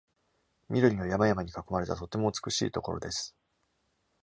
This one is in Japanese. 緑の山々に囲まれた、とても美しいところです。